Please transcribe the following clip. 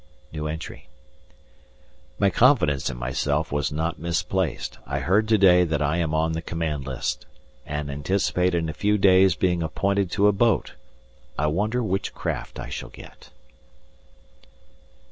My confidence in myself was not misplaced; I heard to day that I am on the command list, and anticipate in a few days being appointed to a boat. I wonder which craft I shall get?